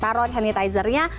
atau taruh hand sanitizer nya